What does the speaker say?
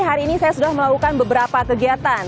jadi hari ini saya sudah melakukan beberapa kegiatan